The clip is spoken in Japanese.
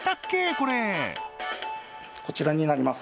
これこちらになります